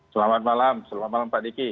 selamat malam selamat malam pak diki